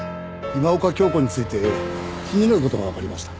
今岡鏡子について気になる事がわかりました。